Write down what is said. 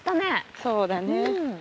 そうだね。